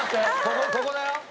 ここだよ。